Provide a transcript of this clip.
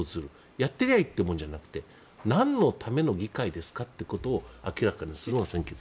やってりゃいいということじゃなくてなんのための議会ですかということを明らかにするのが先決です。